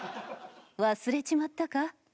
忘れちまったか？